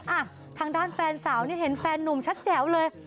อ่ะทางด้านแฟนสาวนี่เห็นแฟนนุ่มชัดแจ๋วเลย